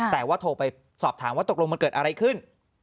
แต่ว่าโทรไปสอบถามว่าตกลงมันเกิดอะไรขึ้น